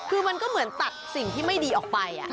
คือมันก็เหมือนตักสิ่งที่ไม่ดีออกไป